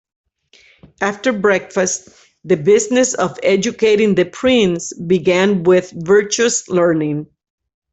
After breakfast, the business of educating the prince began with "virtuous learning".